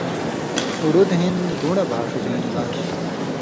اُڑُد ہِن دُن٘ڑہۡ بھاݜژئیں علاج